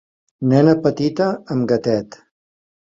Nena petita amb gatet.